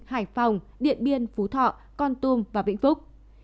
hải phòng điện biên phú thọ con tum và vĩnh phúc